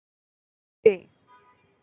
রাধে ছেড়ে দে!